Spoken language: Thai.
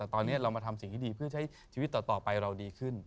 ตอนนี้เรามาทำสิ่งที่ดีเพื่อใช้ชีวิตต่อไปเราดีขึ้น